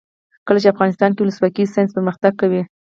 کله چې افغانستان کې ولسواکي وي ساینس پرمختګ کوي.